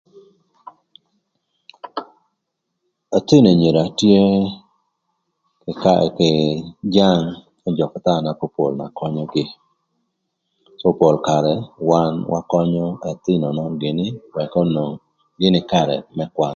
Ëthïnö anyira tye ï karë ki jang ëjököthaü na popol na könyögï cë pol karë wan wakönyö ëthïnö nön gïnï ëk onwong gïnï karë më kwan.